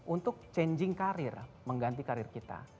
untuk changing karir mengganti karir kita